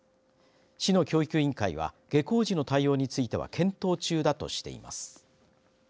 市の教育委員会は下校時の対応については検討中だとしています。